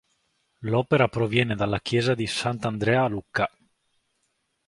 L'opera proviene dalla chiesa di Sant'Andrea a Lucca.